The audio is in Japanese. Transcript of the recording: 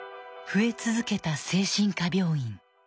増え続けた精神科病院。